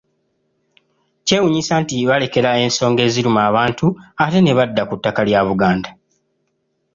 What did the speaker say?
Kyewuunyisa nti balekerera ensonga eziruma abantu ate ne badda ku ttaka lya Buganda.